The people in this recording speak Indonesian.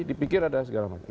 dipikir ada segala macam